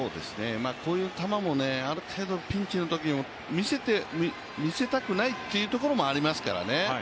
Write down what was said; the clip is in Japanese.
こういう球もある程度ピンチのときには見せたくないというところもありますからね。